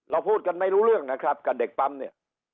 พูดกันไม่รู้เรื่องนะครับกับเด็กปั๊มเนี่ย